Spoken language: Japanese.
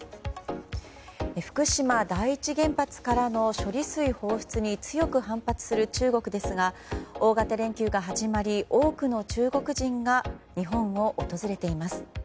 福島第一原発からの処理水放出に強く反発する中国ですが大型連休が始まり多くの中国人が日本を訪れています。